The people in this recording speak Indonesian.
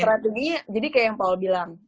strateginya jadi kayak yang paul bilang